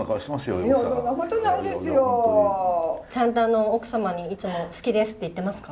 ちゃんと奥様にいつも「好きです」って言ってますか？